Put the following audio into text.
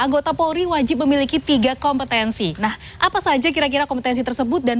anggota polri wajib memiliki tiga kompetensi nah apa saja kira kira kompetensi tersebut dan